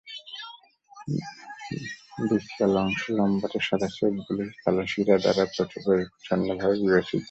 ডিসকাল অংশে লম্বাটে সাদা ছোপগুলি কালো শিরা দ্বারা পরিচ্ছন্ন ভাবে বিভাজিত।